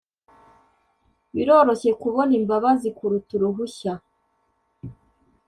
biroroshye kubona imbabazi kuruta uruhushya